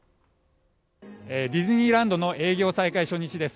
ディズニーランドの営業再開初日です。